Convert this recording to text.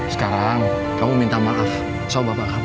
sekarang kamu minta maaf sama bapak kamu